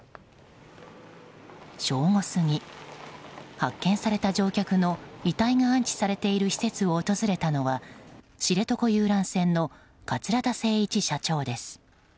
正午過ぎ、発見された乗客の遺体が安置されている施設を訪れたのは知床遊覧船の桂田精一社長です。